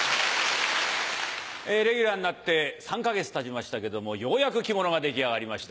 レギュラーになって３か月たちましたけどもようやく着物が出来上がりました。